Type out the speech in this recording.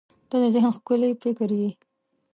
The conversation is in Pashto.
• ته د ذهن ښکلي فکر یې.